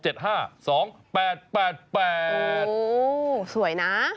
โอ้สวยนะ